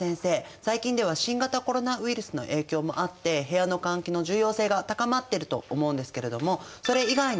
最近では新型コロナウイルスの影響もあって部屋の換気の重要性が高まってると思うんですけれどもなるほど。